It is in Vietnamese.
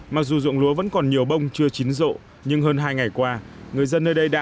mặc dù dụng lúa vẫn còn nhiều bông chưa chín rộ nhưng hơn hai ngày qua người dân nơi đây đã